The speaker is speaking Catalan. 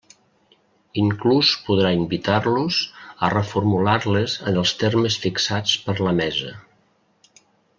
Inclús podrà invitar-los a reformular-les en els termes fixats per la Mesa.